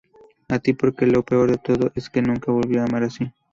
A ti porque "lo peor de todo" es que nunca volví a amar así.